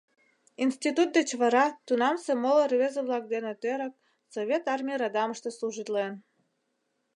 Институт деч вара тунамсе моло рвезе-влак дене тӧрак Совет Армий радамыште служитлен.